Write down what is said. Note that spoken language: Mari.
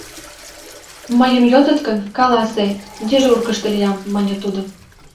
— Мыйым йодыт гын, каласе, дежуркышто лиям, — мане тудо.